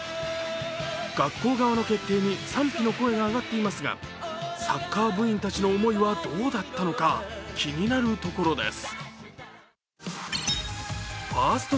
学校側の決定に賛否の声が上がっていますがサッカー部員たちの思いはどうだったのか気になるところです。